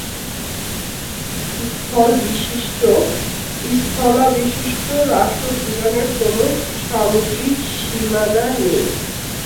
স্থলবেষ্টিত রাষ্ট্র ভুটানের কোন সামুদ্রিক সীমানা নেই।